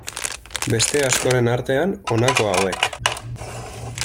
Beste askoren artean honako hauek.